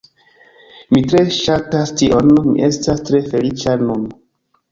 Mi tre ŝatas tion, mi estas tre feliĉa nun